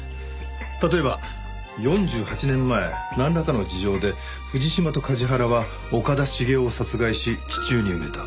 例えば４８年前なんらかの事情で藤島と梶原は岡田茂雄を殺害し地中に埋めた。